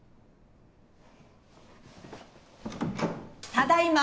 ただいま。